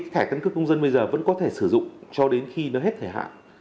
thẻ căn cước công dân bây giờ vẫn có thể sử dụng cho đến khi nó hết thời hạn